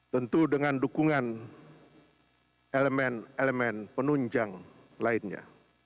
tentu dengan dukungan elemen elemen penunjang lainnya